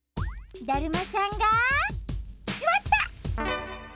だるまさんがすわった！